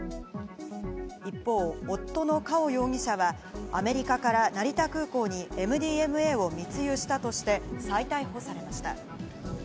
一方、夫のカオ容疑者はアメリカから成田空港にＭＤＭＡを密輸したとして再逮捕されました。